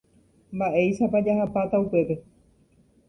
Mba'éichapa jaháta upépe.